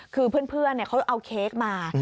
คือเพื่อนเขาเอาเค้กมา